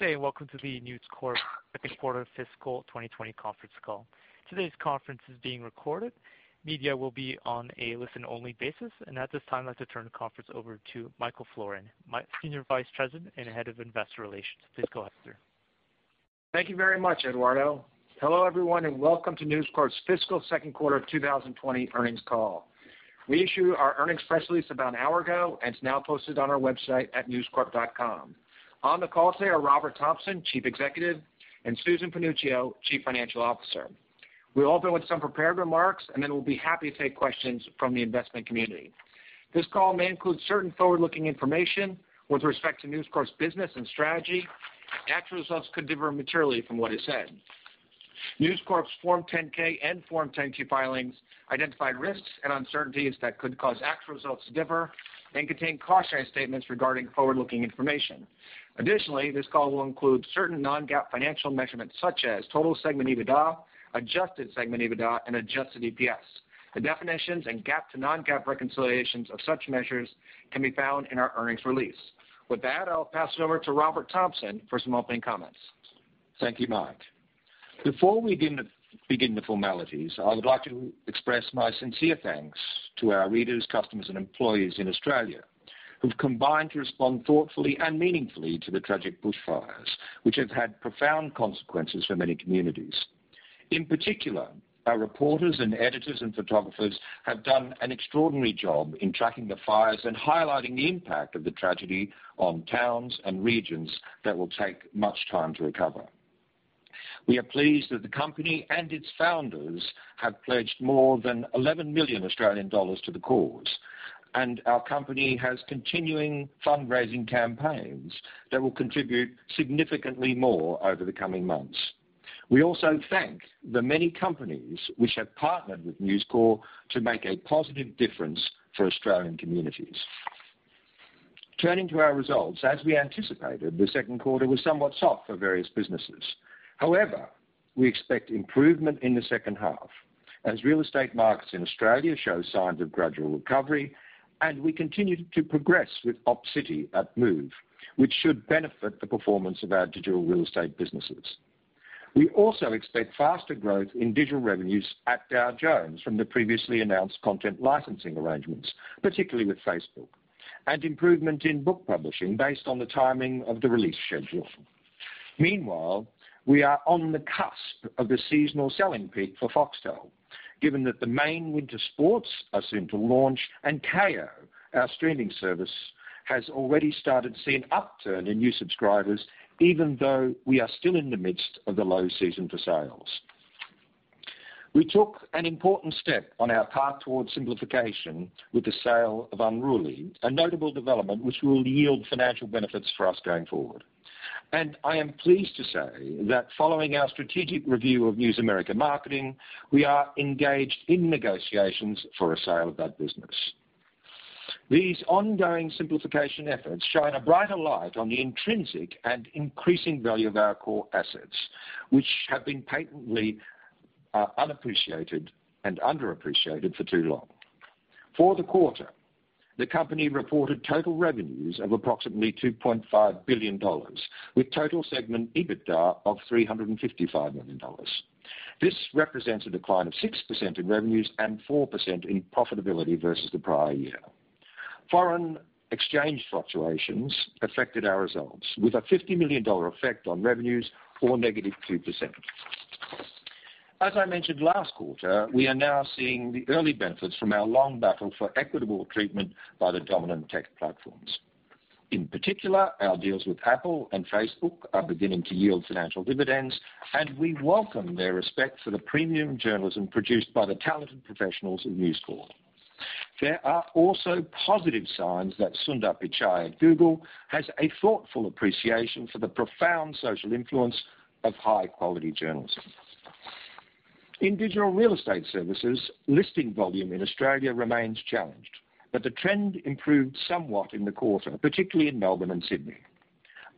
Good day and welcome to the News Corp second quarter fiscal 2020 conference call. Today's conference is being recorded. Media will be on a listen-only basis, and at this time, I'd like to turn the conference over to Michael Florin, Senior Vice President and Head of Investor Relations. Please go ahead, sir. Thank you very much, Eduardo. Hello, everyone, and welcome to News Corp's fiscal second quarter of 2020 earnings call. We issued our earnings press release about an hour ago and it's now posted on our website at newscorp.com. On the call today are Robert Thomson, Chief Executive, and Susan Panuccio, Chief Financial Officer. We'll open with some prepared remarks and then we'll be happy to take questions from the investment community. This call may include certain forward-looking information with respect to News Corp's business and strategy. Actual results could differ materially from what is said. News Corp's Form 10-K and Form 10-Q filings identify risks and uncertainties that could cause actual results to differ and contain cautionary statements regarding forward-looking information. Additionally, this call will include certain non-GAAP financial measurements, such as total segment EBITDA, adjusted segment EBITDA, and adjusted EPS. The definitions and GAAP to non-GAAP reconciliations of such measures can be found in our earnings release. With that, I'll pass it over to Robert Thomson for some opening comments. Thank you, Michael. Before we begin the formalities, I would like to express my sincere thanks to our readers, customers, and employees in Australia who've combined to respond thoughtfully and meaningfully to the tragic bushfires, which have had profound consequences for many communities. In particular, our reporters and editors and photographers have done an extraordinary job in tracking the fires and highlighting the impact of the tragedy on towns and regions that will take much time to recover. We are pleased that the company and its founders have pledged more than 11 million Australian dollars to the cause. Our company has continuing fundraising campaigns that will contribute significantly more over the coming months. We also thank the many companies which have partnered with News Corp to make a positive difference for Australian communities. Turning to our results, as we anticipated, the second quarter was somewhat soft for various businesses. However, we expect improvement in the second half as real estate markets in Australia show signs of gradual recovery and we continue to progress with Opcity at Move, which should benefit the performance of our digital real estate businesses. We also expect faster growth in digital revenues at Dow Jones from the previously announced content licensing arrangements, particularly with Facebook, and improvement in book publishing based on the timing of the release schedule. Meanwhile, we are on the cusp of the seasonal selling peak for Foxtel, given that the main winter sports are soon to launch and Kayo, our streaming service, has already started seeing an upturn in new subscribers, even though we are still in the midst of the low season for sales. We took an important step on our path towards simplification with the sale of Unruly, a notable development which will yield financial benefits for us going forward. I am pleased to say that following our strategic review of News America Marketing, we are engaged in negotiations for a sale of that business. These ongoing simplification efforts shine a brighter light on the intrinsic and increasing value of our core assets, which have been patently unappreciated and underappreciated for too long. For the quarter, the company reported total revenues of approximately $2.5 billion, with total segment EBITDA of $355 million. This represents a decline of 6% in revenues and 4% in profitability versus the prior year. Foreign exchange fluctuations affected our results, with a $50 million effect on revenues or -2%. As I mentioned last quarter, we are now seeing the early benefits from our long battle for equitable treatment by the dominant tech platforms. In particular, our deals with Apple and Facebook are beginning to yield financial dividends, and we welcome their respect for the premium journalism produced by the talented professionals of News Corp. There are also positive signs that Sundar Pichai at Google has a thoughtful appreciation for the profound social influence of high-quality journalism. In digital real estate services, listing volume in Australia remains challenged, but the trend improved somewhat in the quarter, particularly in Melbourne and Sydney.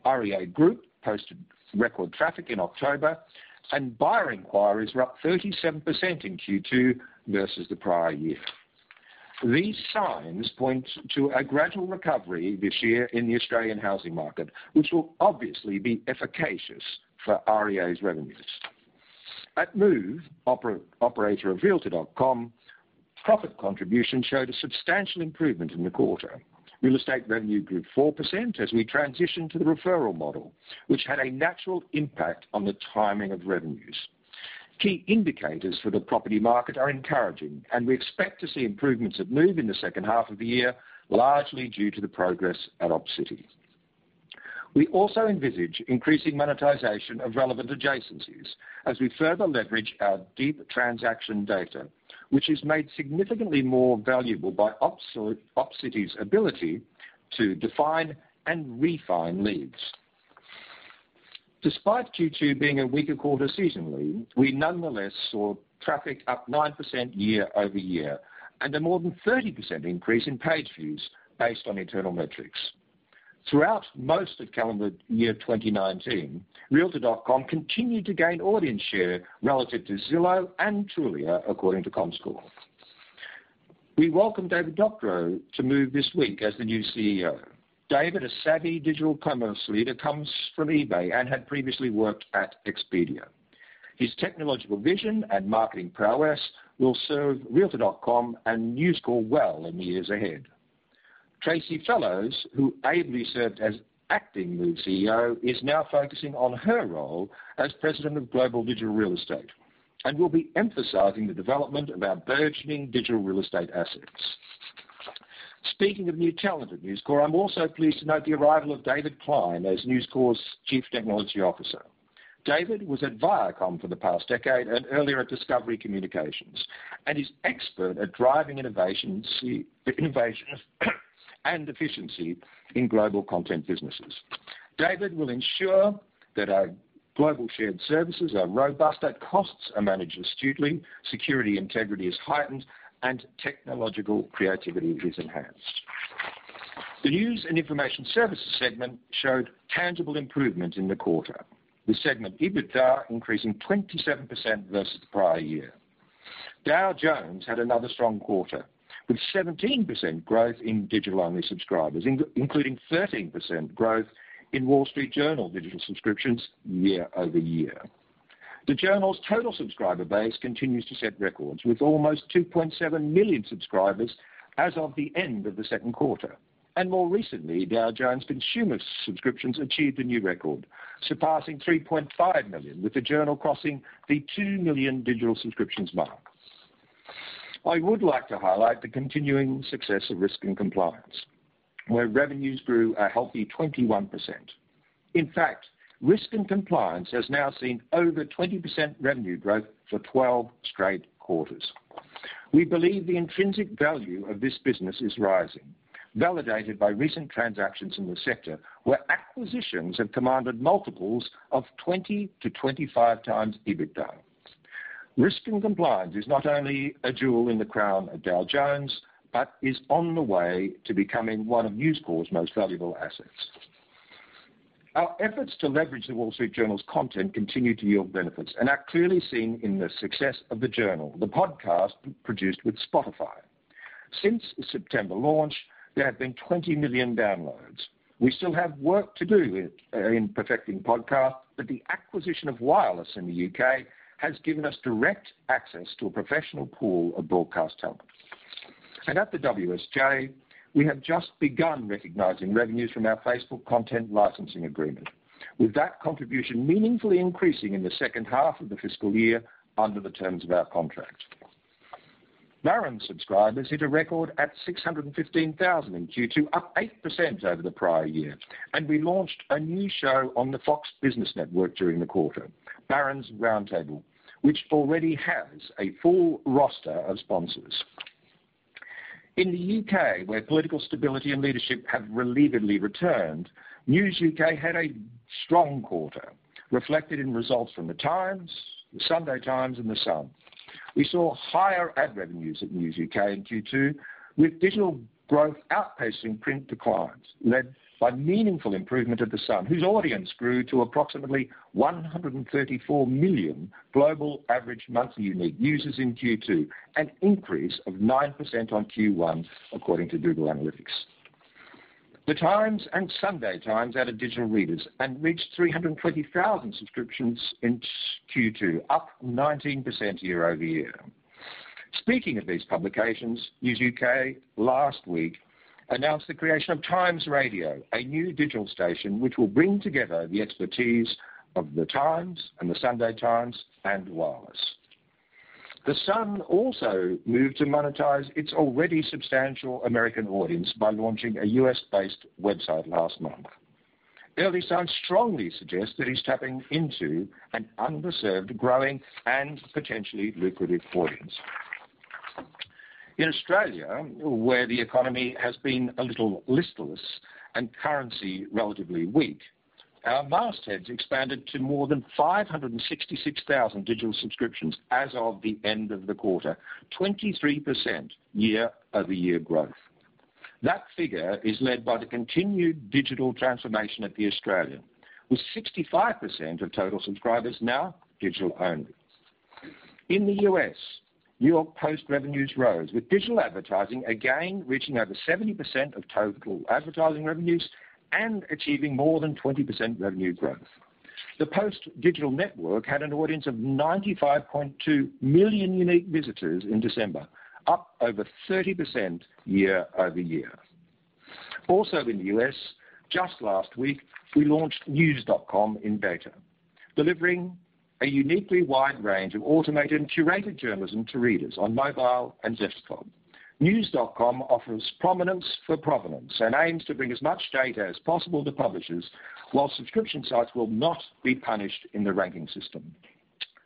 REA Group posted record traffic in October, and buyer inquiries were up 37% in Q2 versus the prior year. These signs point to a gradual recovery this year in the Australian housing market, which will obviously be efficacious for REA's revenues. At Move, operator of realtor.com, profit contribution showed a substantial improvement in the quarter. Real estate revenue grew 4% as we transitioned to the referral model, which had a natural impact on the timing of revenues. Key indicators for the property market are encouraging, and we expect to see improvements at Move in the second half of the year, largely due to the progress at Opcity. We also envisage increasing monetization of relevant adjacencies as we further leverage our deep transaction data, which is made significantly more valuable by Opcity's ability to define and refine leads. Despite Q2 being a weaker quarter seasonally, we nonetheless saw traffic up 9% year-over-year, and a more than 30% increase in page views based on internal metrics. Throughout most of calendar year 2019, realtor.com continued to gain audience share relative to Zillow and Trulia, according to Comscore. We welcome David Doctorow to Move this week as the new Chief Executive Officer. David, a savvy digital commerce leader, comes from eBay and had previously worked at Expedia. His technological vision and marketing prowess will serve realtor.com and News Corp well in the years ahead. Tracey Fellows, who ably served as Acting Move Chief Executive Officer, is now focusing on her role as President of Global Digital Real Estate and will be emphasizing the development of our burgeoning digital real estate assets. Speaking of new talent at News Corp, I'm also pleased to note the arrival of David Kline as News Corp's Chief Technology Officer. David was at Viacom for the past decade and earlier at Discovery Communications and is expert at driving innovation and efficiency in global content businesses. David will ensure that our global shared services are robust, that costs are managed astutely, security integrity is heightened, and technological creativity is enhanced. The news and information services segment showed tangible improvement in the quarter, with segment EBITDA increasing 27% versus the prior year. Dow Jones had another strong quarter, with 17% growth in digital-only subscribers, including 13% growth in Wall Street Journal digital subscriptions year-over-year. The Journal's total subscriber base continues to set records, with almost 2.7 million subscribers as of the end of the second quarter. More recently, Dow Jones consumer subscriptions achieved a new record, surpassing 3.5 million, with the Journal crossing the two million digital subscriptions mark. I would like to highlight the continuing success of Risk and Compliance, where revenues grew a healthy 21%. In fact, Risk and Compliance has now seen over 20% revenue growth for 12 straight quarters. We believe the intrinsic value of this business is rising, validated by recent transactions in the sector where acquisitions have commanded multiples of 20x-25x EBITDA. Risk & Compliance is not only a jewel in the crown of Dow Jones, but is on the way to becoming one of News Corp's most valuable assets. Our efforts to leverage The Wall Street Journal's content continue to yield benefits and are clearly seen in the success of the Journal, the podcast produced with Spotify. Since the September launch, there have been 20 million downloads. We still have work to do in perfecting podcasts. The acquisition of Wireless in the U.K. has given us direct access to a professional pool of broadcast talent. At the WSJ, we have just begun recognizing revenues from our Facebook content licensing agreement. With that contribution meaningfully increasing in the second half of the fiscal year under the terms of our contract. Barron's subscribers hit a record at 615,000 in Q2, up 8% over the prior year, and we launched a new show on the Fox Business Network during the quarter, Barron's Roundtable, which already has a full roster of sponsors. In the U.K., where political stability and leadership have relievedly returned, News UK had a strong quarter, reflected in results from The Times, The Sunday Times, and The Sun. We saw higher ad revenues at News UK in Q2, with digital growth outpacing print declines, led by meaningful improvement of The Sun, whose audience grew to approximately 134 million global average monthly unique users in Q2, an increase of 9% on Q1 according to Google Analytics. The Times and The Sunday Times added digital readers and reached 320,000 subscriptions in Q2, up 19% year-over-year. Speaking of these publications, News UK last week announced the creation of Times Radio, a new digital station which will bring together the expertise of The Times and The Sunday Times and Wireless. The Sun also moved to monetize its already substantial American audience by launching a U.S.-based website last month. Early signs strongly suggest that it's tapping into an underserved, growing, and potentially lucrative audience. In Australia, where the economy has been a little listless and currency relatively weak, our mastheads expanded to more than 566,000 digital subscriptions as of the end of the quarter, 23% year-over-year growth. That figure is led by the continued digital transformation at The Australian, with 65% of total subscribers now digital-only. In the U.S., New York Post revenues rose, with digital advertising again reaching over 70% of total advertising revenues and achieving more than 20% revenue growth. The Post digital network had an audience of 95.2 million unique visitors in December, up over 30% year-over-year. Also in the U.S., just last week, we launched Knewz.com in beta, delivering a uniquely wide range of automated and curated journalism to readers on mobile and desktop. Knewz.com offers prominence for provenance and aims to bring as much data as possible to publishers, while subscription sites will not be punished in the ranking system.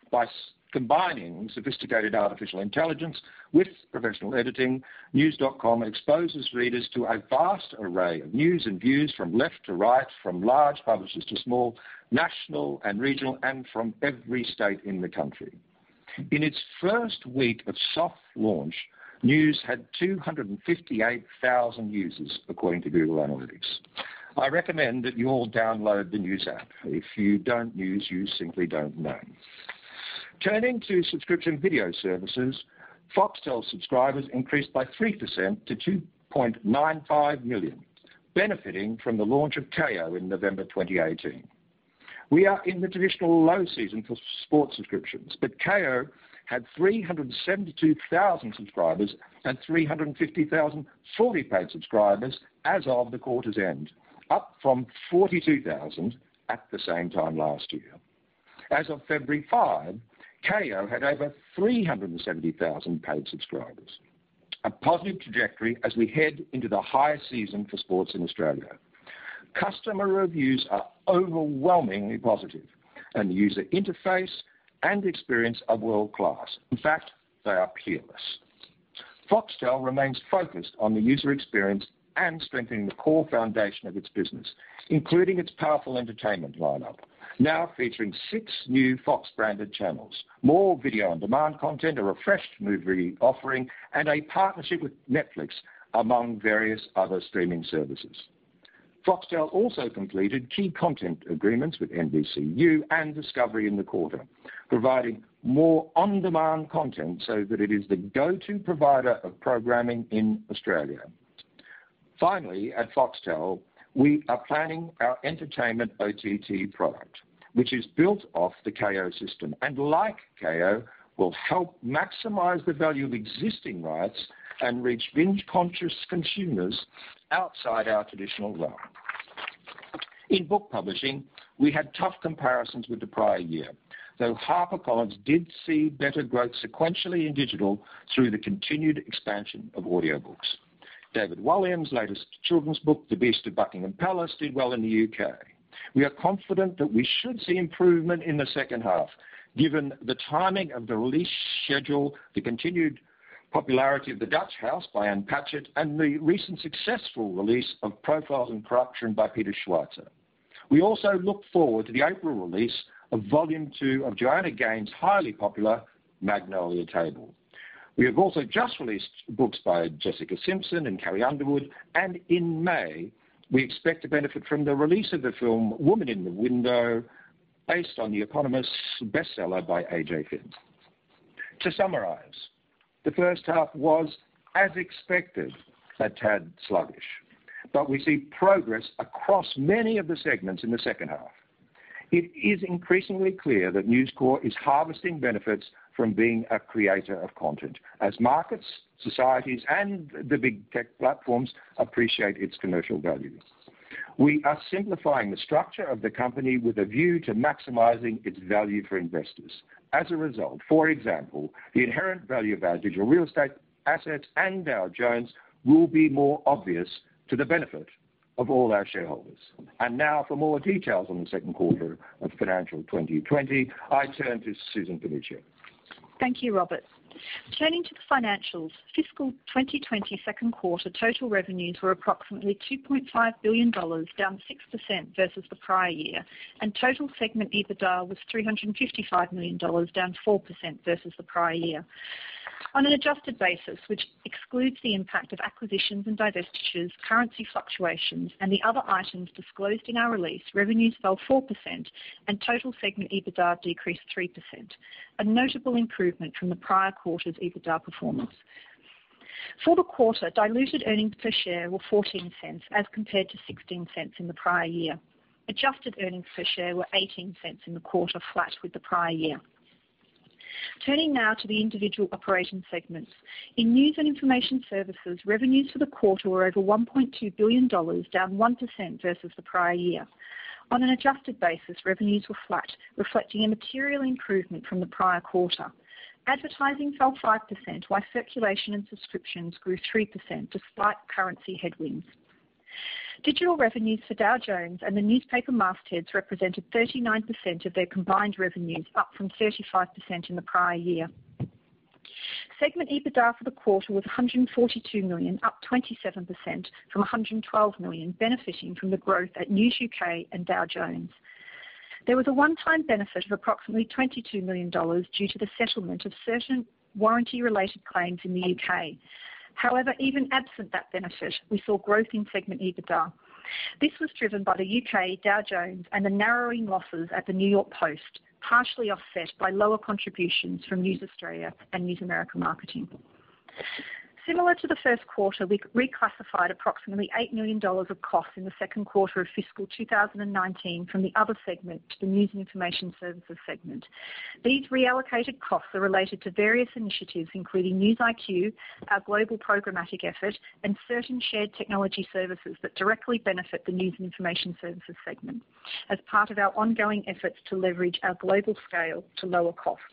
By combining sophisticated artificial intelligence with professional editing, Knewz.com exposes readers to a vast array of news and views from left to right, from large publishers to small, national and regional, and from every state in the country. In its first week of soft launch, News had 258,000 users, according to Google Analytics. I recommend that you all download the News app. If you don't use, you simply don't know. Turning to subscription video services, Foxtel subscribers increased by 3% to 2.95 million, benefiting from the launch of Kayo in November 2018. We are in the traditional low season for sports subscriptions. Kayo had 372,000 subscribers and 350,000 fully paid subscribers as of the quarter's end, up from 42,000 at the same time last year. As of February 5, Kayo had over 370,000 paid subscribers. A positive trajectory as we head into the higher season for sports in Australia. Customer reviews are overwhelmingly positive, and the user interface and experience are world-class. In fact, they are peerless. Foxtel remains focused on the user experience and strengthening the core foundation of its business, including its powerful entertainment lineup, now featuring six new Fox-branded channels, more video-on-demand content, a refreshed movie offering, and a partnership with Netflix, among various other streaming services. Foxtel also completed key content agreements with NBCU and Discovery in the quarter, providing more on-demand content so that it is the go-to provider of programming in Australia. At Foxtel, we are planning our entertainment OTT product, which is built off the Kayo system, and like Kayo, will help maximize the value of existing rights and reach binge-conscious consumers outside our traditional realm. In book publishing, we had tough comparisons with the prior year, though HarperCollins did see better growth sequentially in digital through the continued expansion of audiobooks. David Walliams' latest children's book, The Beast of Buckingham Palace, did well in the U.K. We are confident that we should see improvement in the second half, given the timing of the release schedule, the continued popularity of The Dutch House by Ann Patchett, and the recent successful release of Profiles in Corruption by Peter Schweizer. We also look forward to the April release of volume two of Joanna Gaines' highly popular Magnolia Table. We have also just released books by Jessica Simpson and Carrie Underwood. In May, we expect to benefit from the release of the film Woman in the Window, based on the eponymous bestseller by A.J. Finn. To summarize, the first half was, as expected, a tad sluggish. We see progress across many of the segments in the second half. It is increasingly clear that News Corp is harvesting benefits from being a creator of content as markets, societies, and the big tech platforms appreciate its commercial value. We are simplifying the structure of the company with a view to maximizing its value for investors. As a result, for example, the inherent value of our digital real estate assets and Dow Jones will be more obvious to the benefit of all our shareholders. Now for more details on the second quarter of financial 2020, I turn to Susan Panuccio. Thank you, Robert. Turning to the financials, fiscal 2020 second quarter total revenues were approximately $2.5 billion, down 6% versus the prior year, and total segment EBITDA was $355 million, down 4% versus the prior year. On an adjusted basis, which excludes the impact of acquisitions and divestitures, currency fluctuations, and the other items disclosed in our release, revenues fell 4% and total segment EBITDA decreased 3%, a notable improvement from the prior quarter's EBITDA performance. For the quarter, diluted earnings per share were $0.14 as compared to $0.16 in the prior year. Adjusted earnings per share were $0.18 in the quarter, flat with the prior year. Turning now to the individual operating segments. In news and information services, revenues for the quarter were over $1.2 billion, down 1% versus the prior year. On an adjusted basis, revenues were flat, reflecting a material improvement from the prior quarter. Advertising fell 5%, while circulation and subscriptions grew 3%, despite currency headwinds. Digital revenues for Dow Jones and the newspaper mastheads represented 39% of their combined revenues, up from 35% in the prior year. Segment EBITDA for the quarter was $142 million, up 27% from $112 million, benefiting from the growth at News UK and Dow Jones. There was a one-time benefit of approximately $22 million due to the settlement of certain warranty-related claims in the U.K. Even absent that benefit, we saw growth in segment EBITDA. This was driven by the UK, Dow Jones, and the narrowing losses at the New York Post, partially offset by lower contributions from News Australia and News America Marketing. Similar to the first quarter, we reclassified approximately $8 million of costs in the second quarter of fiscal 2019 from the other segment to the News and Information Services segment. These reallocated costs are related to various initiatives, including News IQ, our global programmatic effort, and certain shared technology services that directly benefit the News and Information Services segment as part of our ongoing efforts to leverage our global scale to lower costs.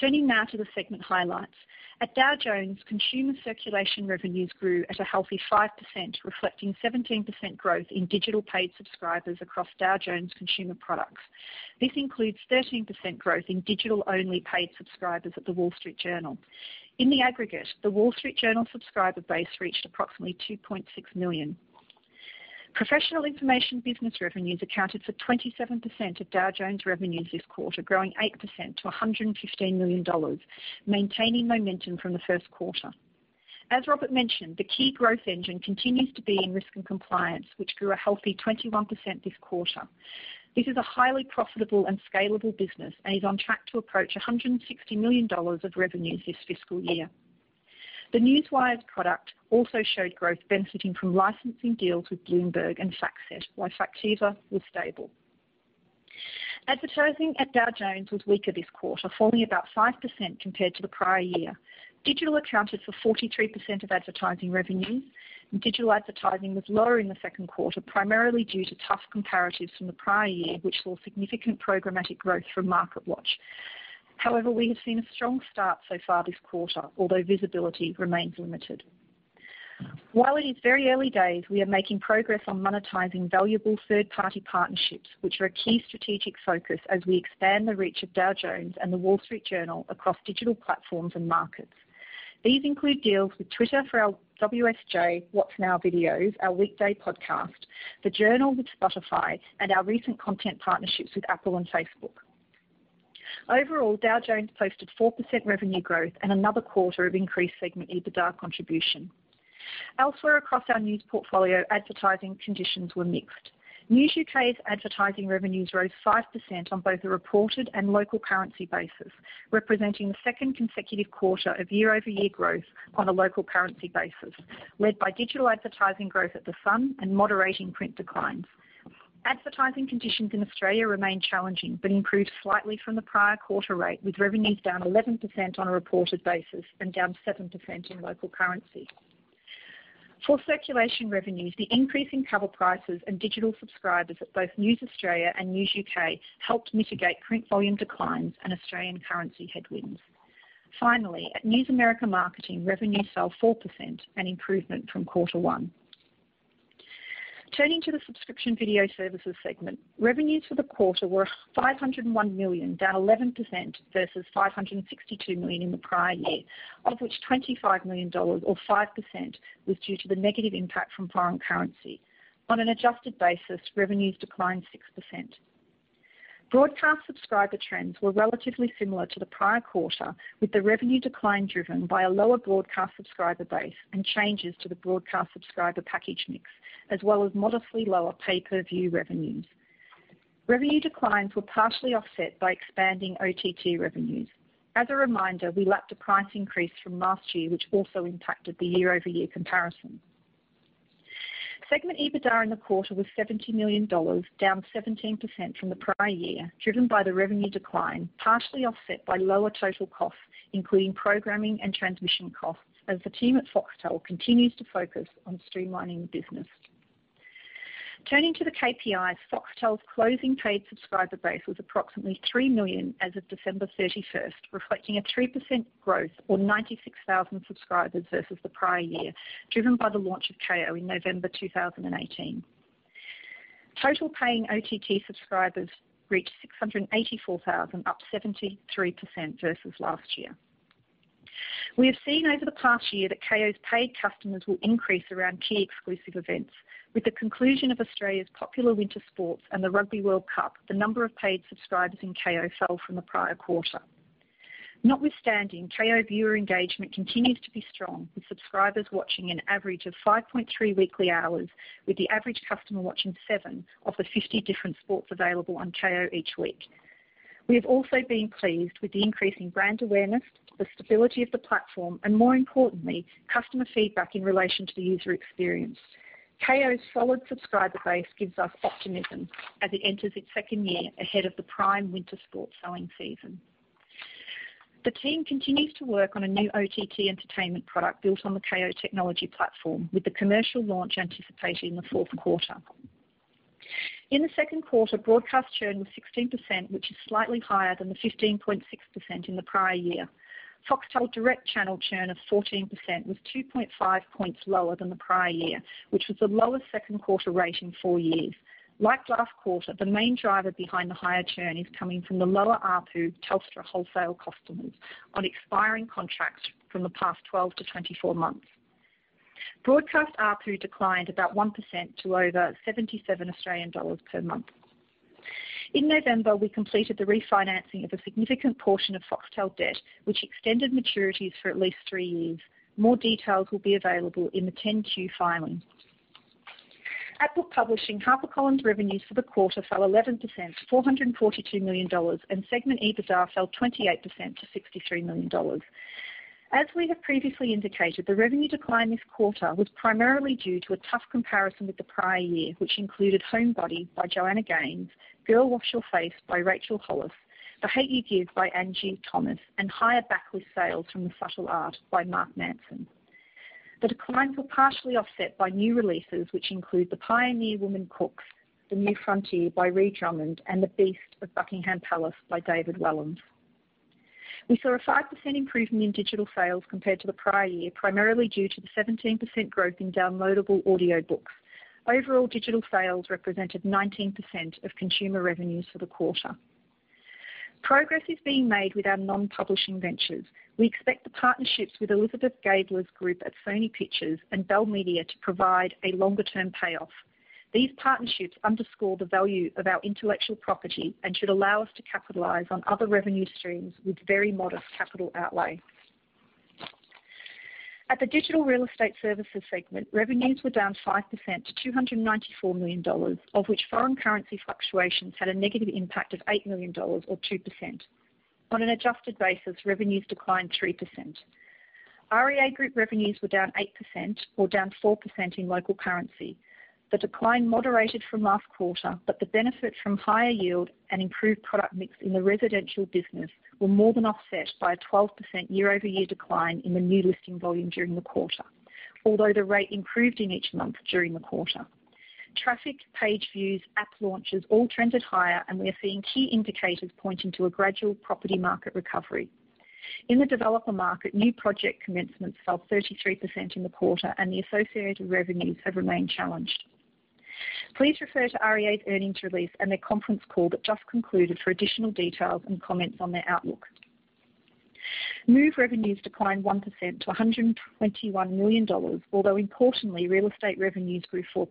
Turning now to the segment highlights. At Dow Jones, consumer circulation revenues grew at a healthy 5%, reflecting 17% growth in digital paid subscribers across Dow Jones consumer products. This includes 13% growth in digital-only paid subscribers at The Wall Street Journal. In the aggregate, The Wall Street Journal subscriber base reached approximately 2.6 million. Professional information business revenues accounted for 27% of Dow Jones revenues this quarter, growing 8% to $115 million, maintaining momentum from the first quarter. As Robert mentioned, the key growth engine continues to be in Risk & Compliance, which grew a healthy 21% this quarter. This is a highly profitable and scalable business and is on track to approach $160 million of revenues this fiscal year. The Newswires product also showed growth benefiting from licensing deals with Bloomberg and FactSet, while Factiva was stable. Advertising at Dow Jones was weaker this quarter, falling about 5% compared to the prior year. Digital accounted for 43% of advertising revenue, digital advertising was lower in the second quarter, primarily due to tough comparatives from the prior year, which saw significant programmatic growth from MarketWatch. We have seen a strong start so far this quarter, although visibility remains limited. While it is very early days, we are making progress on monetizing valuable third-party partnerships, which are a key strategic focus as we expand the reach of Dow Jones and The Wall Street Journal across digital platforms and markets. These include deals with Twitter for our WSJ What's News videos, our weekday podcast, the Journal with Spotify, and our recent content partnerships with Apple and Facebook. Overall, Dow Jones posted 4% revenue growth and another quarter of increased segment EBITDA contribution. Elsewhere across our news portfolio, advertising conditions were mixed. News UK's advertising revenues rose 5% on both a reported and local currency basis, representing the second consecutive quarter of year-over-year growth on a local currency basis, led by digital advertising growth at The Sun and moderating print declines. Advertising conditions in Australia remain challenging, but improved slightly from the prior quarter rate, with revenues down 11% on a reported basis and down 7% in local currency. For circulation revenues, the increase in cover prices and digital subscribers at both News Corp Australia and News UK helped mitigate print volume declines and Australian currency headwinds. Finally, at News America Marketing, revenues fell 4%, an improvement from quarter one. Turning to the subscription video services segment, revenues for the quarter were $501 million, down 11%, versus $562 million in the prior year, of which $25 million, or 5%, was due to the negative impact from foreign currency. On an adjusted basis, revenues declined 6%. Broadcast subscriber trends were relatively similar to the prior quarter, with the revenue decline driven by a lower broadcast subscriber base and changes to the broadcast subscriber package mix, as well as modestly lower pay-per-view revenues. Revenue declines were partially offset by expanding OTT revenues. As a reminder, we lacked a price increase from last year, which also impacted the year-over-year comparison. Segment EBITDA in the quarter was $70 million, down 17% from the prior year, driven by the revenue decline, partially offset by lower total costs, including programming and transmission costs as the team at Foxtel continues to focus on streamlining the business. Turning to the KPIs, Foxtel's closing paid subscriber base was approximately 3 million as of December 31, reflecting a 3% growth or 96,000 subscribers versus the prior year, driven by the launch of Kayo in November 2018. Total paying OTT subscribers reached 684,000, up 73% versus last year. We have seen over the past year that Kayo's paid customers will increase around key exclusive events. With the conclusion of Australia's popular winter sports and the Rugby World Cup, the number of paid subscribers in Kayo fell from the prior quarter. Notwithstanding, Kayo viewer engagement continues to be strong, with subscribers watching an average of 5.3 weekly hours, with the average customer watching seven of the 50 different sports available on Kayo each week. We have also been pleased with the increase in brand awareness, the stability of the platform, and more importantly, customer feedback in relation to the user experience. Kayo's solid subscriber base gives us optimism as it enters its second year ahead of the prime winter sport selling season. The team continues to work on a new OTT entertainment product built on the Kayo technology platform, with the commercial launch anticipated in the fourth quarter. In the second quarter, broadcast churn was 16%, which is slightly higher than the 15.6% in the prior year. Foxtel direct channel churn of 14% was 2.5 points lower than the prior year, which was the lowest second quarter rate in four years. Like last quarter, the main driver behind the higher churn is coming from the lower ARPU Telstra wholesale customers on expiring contracts from the past 12 months-24 months. Broadcast ARPU declined about 1% to over 77 Australian dollars per month. In November, we completed the refinancing of a significant portion of Foxtel debt, which extended maturities for at least three years. More details will be available in the 10-Q filing. At Book Publishing, HarperCollins revenues for the quarter fell 11% to $442 million, and segment EBITDA fell 28% to $63 million. As we have previously indicated, the revenue decline this quarter was primarily due to a tough comparison with the prior year, which included; Homebody by Joanna Gaines, Girl, Wash Your Face by Rachel Hollis, The Hate U Give by Angie Thomas, and higher backlist sales from The Subtle Art by Mark Manson. The declines were partially offset by new releases, which include The Pioneer Woman Cooks: The New Frontier by Ree Drummond, and The Beast of Buckingham Palace by David Walliams. We saw a 5% improvement in digital sales compared to the prior year, primarily due to the 17% growth in downloadable audiobooks. Overall, digital sales represented 19% of consumer revenues for the quarter. Progress is being made with our non-publishing ventures. We expect the partnerships with Elizabeth Gabler's group at Sony Pictures and Bell Media to provide a longer-term payoff. These partnerships underscore the value of our intellectual property and should allow us to capitalize on other revenue streams with very modest capital outlay. At the Digital Real Estate Services segment, revenues were down 5% to $294 million, of which foreign currency fluctuations had a negative impact of $8 million, or 2%. On an adjusted basis, revenues declined 3%. REA Group revenues were down 8%, or down 4% in local currency. The decline moderated from last quarter, but the benefit from higher yield and improved product mix in the residential business were more than offset by a 12% year-over-year decline in the new listing volume during the quarter. Although the rate improved in each month during the quarter. Traffic, page views, app launches all trended higher, and we are seeing key indicators pointing to a gradual property market recovery. In the developer market, new project commencements fell 33% in the quarter, and the associated revenues have remained challenged. Please refer to REA's earnings release and their conference call that just concluded for additional details and comments on their outlook. Move revenues declined 1% to $121 million, although importantly, real estate revenues grew 4%.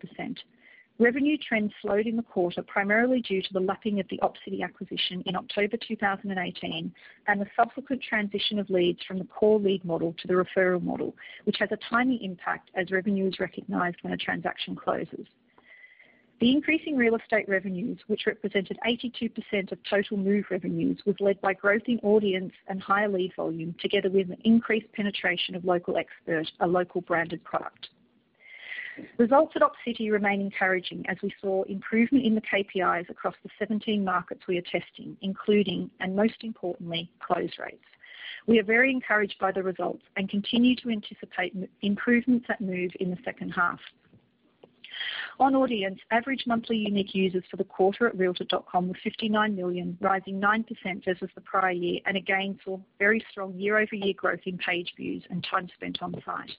Revenue trends slowed in the quarter, primarily due to the lapping of the Opcity acquisition in October 2018 and the subsequent transition of leads from the core lead model to the referral model, which has a timing impact as revenue is recognized when a transaction closes. The increasing real estate revenues, which represented 82% of total Move revenues, was led by growth in audience and higher lead volume, together with an increased penetration of Local Expert, a local branded product. Results at Opcity remain encouraging as we saw improvement in the KPIs across the 17 markets we are testing, including, and most importantly, close rates. We are very encouraged by the results and continue to anticipate improvements at Move in the second half. On audience, average monthly unique users for the quarter at realtor.com were 59 million, rising 9% versus the prior year and again, saw very strong year-over-year growth in page views and time spent on site.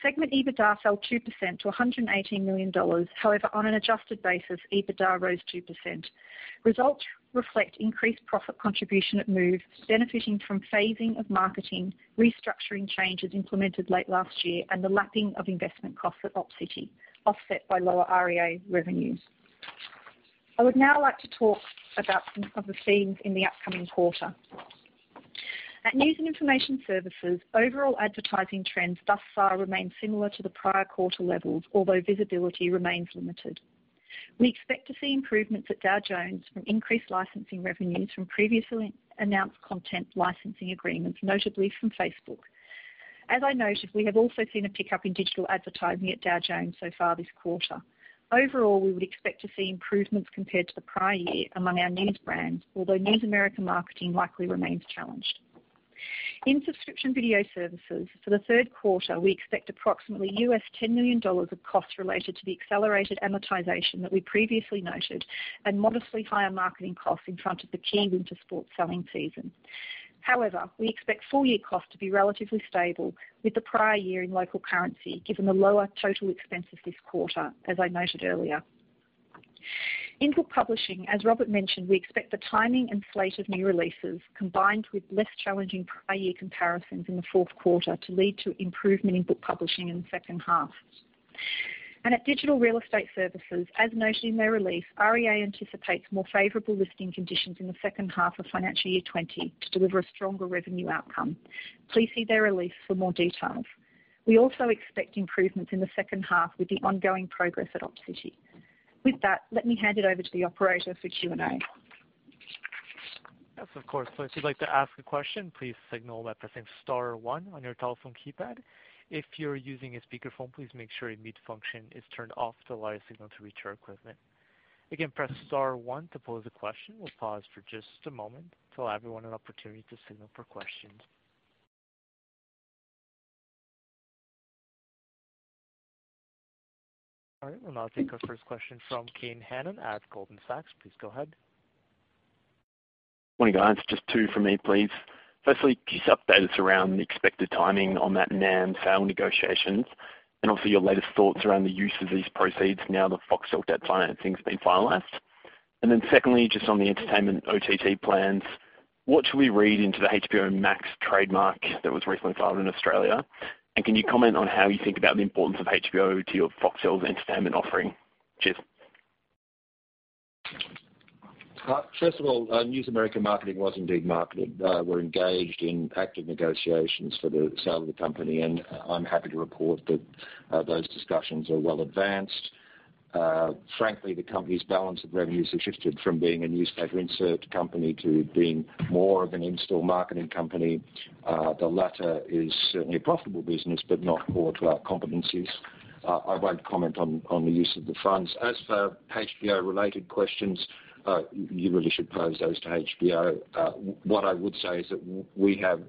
Segment EBITDA fell 2% to $118 million. However, on an adjusted basis, EBITDA rose 2%. Results reflect increased profit contribution at Move, benefiting from phasing of marketing, restructuring changes implemented late last year, and the lapping of investment costs at Opcity, offset by lower REA revenues. I would now like to talk about some of the themes in the upcoming quarter. At News and Information Services, overall advertising trends thus far remain similar to the prior quarter levels, although visibility remains limited. We expect to see improvements at Dow Jones from increased licensing revenues from previously announced content licensing agreements, notably from Facebook. As I noted, we have also seen a pickup in digital advertising at Dow Jones so far this quarter. Overall, we would expect to see improvements compared to the prior year among our news brands, although News America Marketing likely remains challenged. In Subscription Video Services, for the third quarter, we expect approximately $10 million of costs related to the accelerated amortization that we previously noted and modestly higher marketing costs in front of the key winter sports selling season. We expect full-year costs to be relatively stable with the prior year in local currency, given the lower total expenses this quarter, as I noted earlier. In Book Publishing, as Robert mentioned, we expect the timing and slate of new releases, combined with less challenging prior year comparisons in the fourth quarter, to lead to improvement in Book Publishing in the second half. At Digital Real Estate Services, as noted in their release, REA anticipates more favorable listing conditions in the second half of financial year 2020 to deliver a stronger revenue outcome. Please see their release for more details. We also expect improvements in the second half with the ongoing progress at Opcity. With that, let me hand it over to the operator for Q&A. Yes, of course. If you'd like to ask a question, please signal by pressing star one on your telephone keypad. If you're using a speakerphone, please make sure your mute function is turned off to allow your signal to reach our equipment. Again, press star one to pose a question. We'll pause for just a moment to allow everyone an opportunity to signal for questions. All right, we'll now take our first question from Kane Hannan at Goldman Sachs, please go ahead. Morning guys? Just two from me, please. Firstly, can you update us around the expected timing on that NAM sale negotiations and also your latest thoughts around the use of these proceeds now the Foxtel debt financing's been finalized? Secondly, just on the entertainment OTT plans, what should we read into the HBO Max trademark that was recently filed in Australia? Can you comment on how you think about the importance of HBO to your Foxtel's entertainment offering? Cheers. News America Marketing was indeed marketed. We're engaged in active negotiations for the sale of the company, and I'm happy to report that those discussions are well advanced. The company's balance of revenues has shifted from being a newspaper insert company to being more of an in-store marketing company. The latter is certainly a profitable business, but not core to our competencies. I won't comment on the use of the funds. HBO related questions, you really should pose those to HBO. What I would say is that we have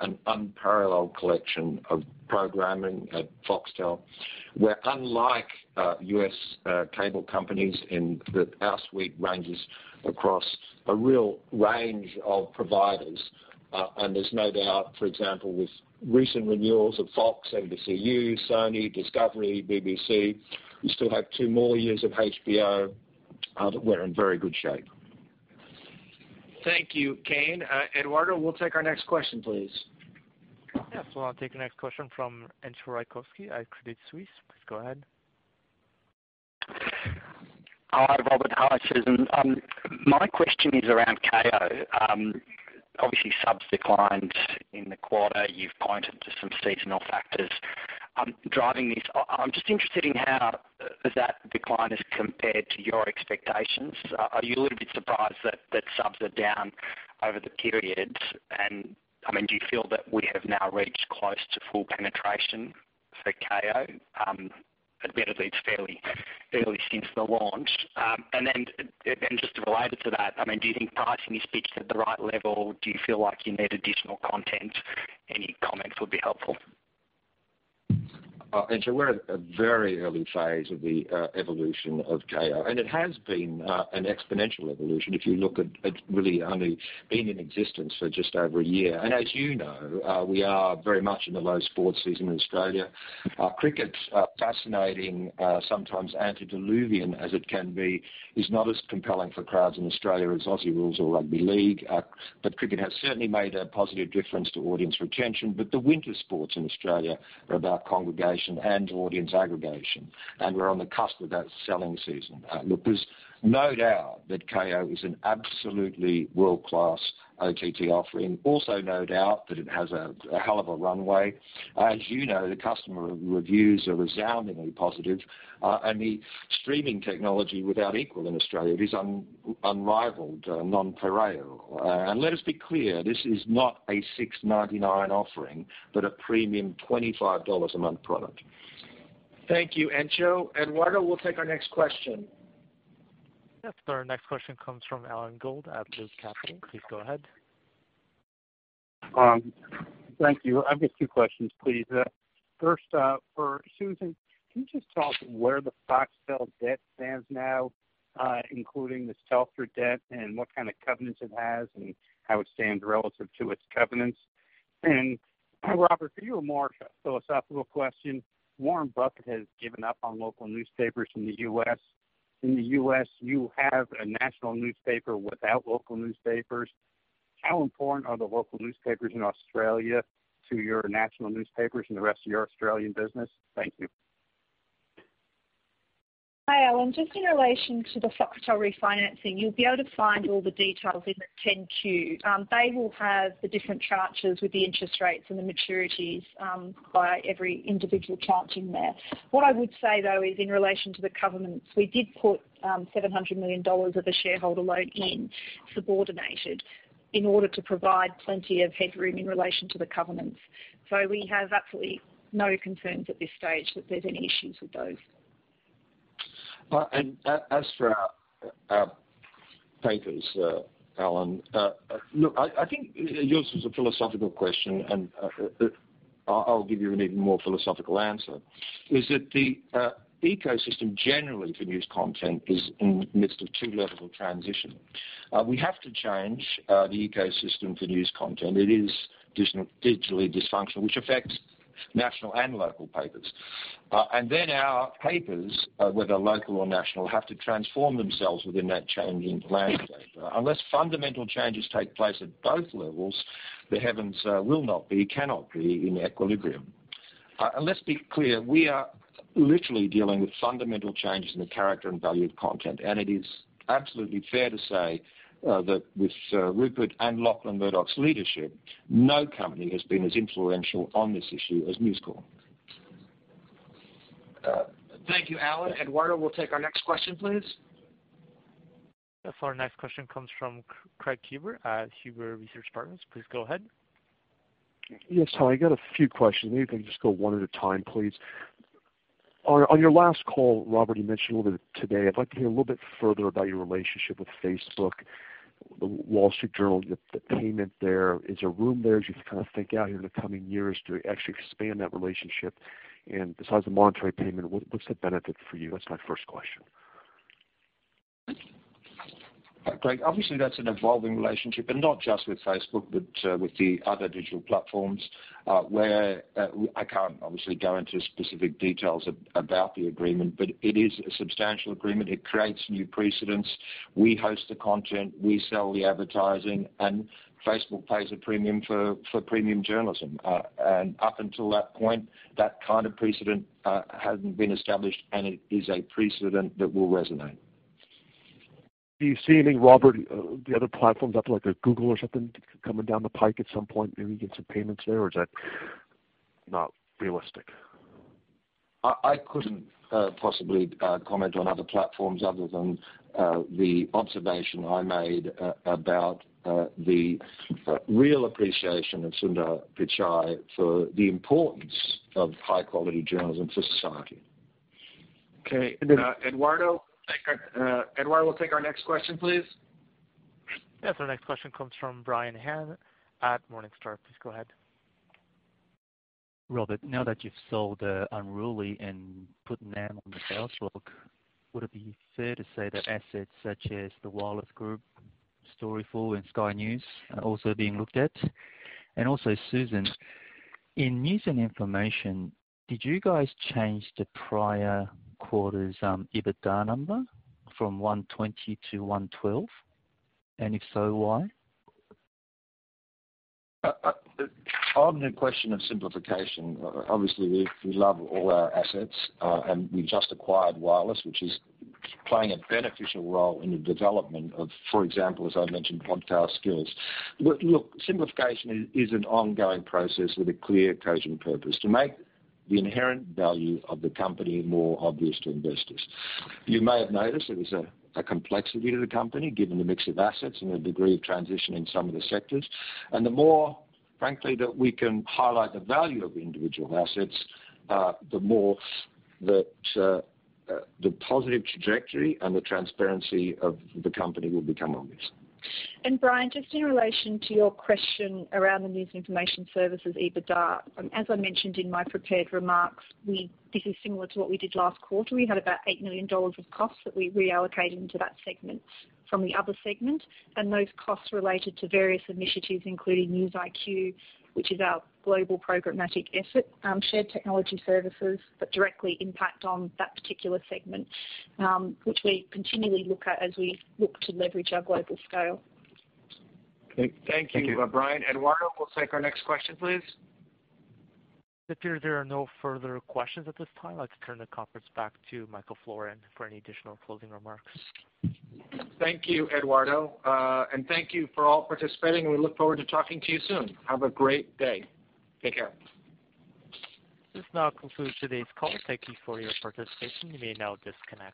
an unparalleled collection of programming at Foxtel, where unlike U.S. cable companies, in that our suite ranges across a real range of providers. There's no doubt, for example, with recent renewals of Fox, NBCU, Sony, Discovery, BBC, we still have two more years of HBO. We're in very good shape. Thank you, Kane. Eduardo, we'll take our next question, please. Yes. We'll take the next question from Entcho Raykovski at Credit Suisse, please go ahead. Hi, Robert? Hi, Susan? My question is around Kayo. Obviously, subs declined in the quarter. You've pointed to some seasonal factors driving this. I'm just interested in how that decline has compared to your expectations. Are you a little bit surprised that subs are down over the period? Do you feel that we have now reached close to full penetration for Kayo? Admittedly, it's fairly early since the launch. Just related to that, do you think pricing is pitched at the right level? Do you feel like you need additional content? Any comments would be helpful. Entcho, we're at a very early phase of the evolution of Kayo, and it has been an exponential evolution if you look at it's really only been in existence for just over a year. As you know, we are very much in the low sports season in Australia. Cricket, fascinating, sometimes antediluvian as it can be, is not as compelling for crowds in Australia as Aussie Rules or Rugby League. Cricket has certainly made a positive difference to audience retention. The winter sports in Australia are about congregation and audience aggregation, and we're on the cusp of that selling season. Look, there's no doubt that Kayo is an absolutely world-class OTT offering. No doubt that it has a hell of a runway. As you know, the customer reviews are resoundingly positive, and the streaming technology without equal in Australia is unrivaled, nonpareil. Let us be clear, this is not a $6.99 offering, but a premium $25 a month product. Thank you, Entcho. Eduardo, we'll take our next question. Yes, our next question comes from Alan Gould at Loop Capital, please go ahead. Thank you. I have just two questions, please. First, for Susan, can you just talk where the Foxtel debt stands now, including the Telstra debt and what kind of covenants it has, and how it stands relative to its covenants? Robert, for you, a more philosophical question. Warren Buffett has given up on local newspapers in the U.S. In the U.S., you have a national newspaper without local newspapers. How important are the local newspapers in Australia to your national newspapers and the rest of your Australian business? Thank you. Hi, Alan. Just in relation to the Foxtel refinancing, you'll be able to find all the details in the 10-Q. They will have the different tranches with the interest rates and the maturities by every individual tranche in there. What I would say, though, is in relation to the covenants, we did put $700 million of the shareholder loan in subordinated in order to provide plenty of headroom in relation to the covenants. We have absolutely no concerns at this stage that there's any issues with those. As for our papers, Alan, look, I think yours was a philosophical question, and I'll give you an even more philosophical answer, is that the ecosystem generally for news content is in the midst of two levels of transition. We have to change the ecosystem for news content. It is digitally dysfunctional, which affects national and local papers. Then our papers, whether local or national, have to transform themselves within that changing landscape. Unless fundamental changes take place at both levels, the heavens will not be, cannot be in equilibrium. Let's be clear, we are literally dealing with fundamental changes in the character and value of content. It is absolutely fair to say, that with Rupert and Lachlan Murdoch's leadership, no company has been as influential on this issue as News Corp. Thank you, Alan. Eduardo, we'll take our next question, please. Our next question comes from Craig Huber at Huber Research Partners, please go ahead. Yes, hi, I got a few questions. Maybe we can just go one at a time, please. On your last call, Robert, you mentioned a little bit today, I'd like to hear a little bit further about your relationship with Facebook, The Wall Street Journal, the payment there. Is there room there as you think out here in the coming years to actually expand that relationship? Besides the monetary payment, what's the benefit for you? That's my first question. Craig, obviously that's an evolving relationship and not just with Facebook, but with the other digital platforms, where I can't obviously go into specific details about the agreement, but it is a substantial agreement. It creates new precedents. We host the content, we sell the advertising, and Facebook pays a premium for premium journalism. Up until that point, that kind of precedent hadn't been established, and it is a precedent that will resonate. Do you see any, Robert, the other platforms like a Google or something coming down the pike at some point, maybe get some payments there? Or is that not realistic? I couldn't possibly comment on other platforms other than the observation I made about the real appreciation of Sundar Pichai for the importance of high-quality journalism for society. Okay. Eduardo, we'll take our next question, please. Yes, our next question comes from Brian Han at Morningstar, please go ahead. Robert, now that you've sold Unruly and put NAM on the sales block, would it be fair to say that assets such as the Wireless Group, Storyful, and Sky News are also being looked at? Susan, in News and Information, did you guys change the prior quarter's EBITDA number from $120 to $112? If so, why? On the question of simplification, obviously, we love all our assets, and we just acquired Wireless, which is playing a beneficial role in the development of, for example, as I mentioned, podcast skills. Look, simplification is an ongoing process with a clear occasion purpose: to make the inherent value of the company more obvious to investors. You may have noticed there is a complexity to the company given the mix of assets and the degree of transition in some of the sectors. The more, frankly, that we can highlight the value of the individual assets, the more that the positive trajectory and the transparency of the company will become obvious. Brian, just in relation to your question around the News and Information Services EBITDA, as I mentioned in my prepared remarks, this is similar to what we did last quarter. We had about $8 million of costs that we reallocated into that segment from the other segment. Those costs related to various initiatives, including News IQ, which is our global programmatic effort, shared technology services, but directly impact on that particular segment, which we continually look at as we look to leverage our global scale. Okay. Thank you, Brian. Eduardo, we'll take our next question, please. It appears there are no further questions at this time. I'd like to turn the conference back to Michael Florin for any additional closing remarks. Thank you, Eduardo. Thank you for all participating, and we look forward to talking to you soon. Have a great day. Take care. This now concludes today's call. Thank you for your participation, you may now disconnect.